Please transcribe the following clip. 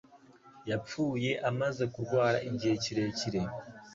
Yapfuye amaze kurwara igihe kirekire.